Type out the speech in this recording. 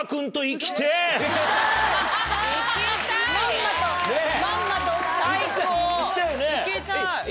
行きたい。